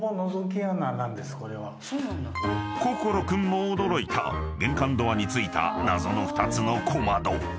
［心君も驚いた玄関ドアに付いた謎の２つの小窓］